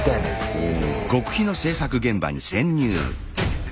うん。